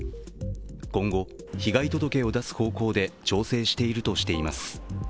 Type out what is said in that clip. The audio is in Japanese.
今後、被害届を出す方向で調整しているとしています。